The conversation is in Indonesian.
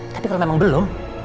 tapi kalau memang belum